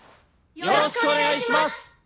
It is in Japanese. よろしくお願いします！